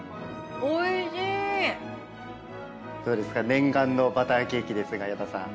念願のバターケーキですが矢田さん。